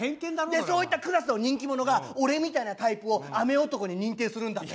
でそういったクラスの人気者が俺みたいなタイプを雨男に認定するんだぜ。